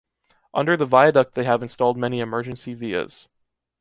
Under the viaduct they have installed many “emergency villas”.